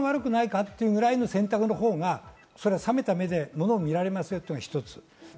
どっちが悪くないかというぐらいの選択の方が冷めた目で物を見られますよというのが一つです。